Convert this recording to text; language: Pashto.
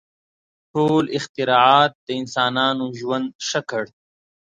• ټول اختراعات د انسانانو ژوند ښه کړ.